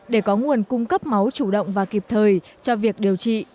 để có nguồn cung cấp máu chủ động và kịp thời cho việc điều trị